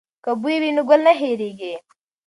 که بوی وي نو ګل نه هیرېږي.